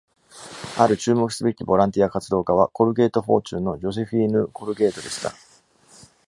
ある注目すべきボランティア活動家は、コルゲートフォーチュンのジョセフィーヌ・コルゲートでした。